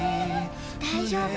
大丈夫。